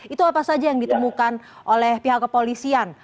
itu apa saja yang ditemukan oleh pihak kepolisian